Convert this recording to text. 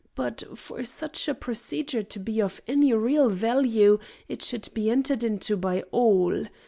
But for such a procedure to be of any real value it should be entered into by all.